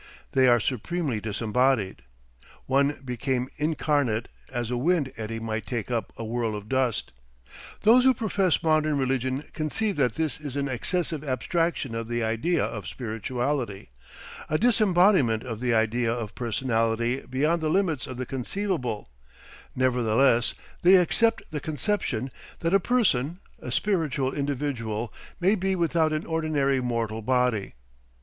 They are supremely disembodied. One became incarnate as a wind eddy might take up a whirl of dust. ... Those who profess modern religion conceive that this is an excessive abstraction of the idea of spirituality, a disembodiment of the idea of personality beyond the limits of the conceivable; nevertheless they accept the conception that a person, a spiritual individual, may be without an ordinary mortal body.